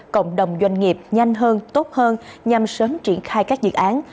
cộng đồng doanh nghiệp nhanh hơn tốt hơn nhằm sớm triển khai các dự án